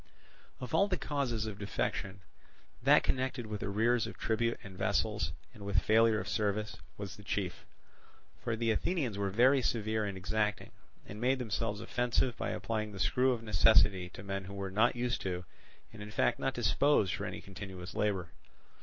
Of all the causes of defection, that connected with arrears of tribute and vessels, and with failure of service, was the chief; for the Athenians were very severe and exacting, and made themselves offensive by applying the screw of necessity to men who were not used to and in fact not disposed for any continuous labour.